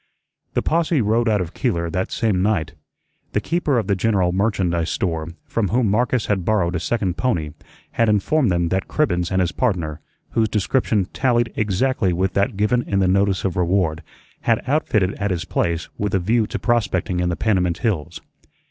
The posse rode out of Keeler that same night. The keeper of the general merchandise store, from whom Marcus had borrowed a second pony, had informed them that Cribbens and his partner, whose description tallied exactly with that given in the notice of reward, had outfitted at his place with a view to prospecting in the Panamint hills.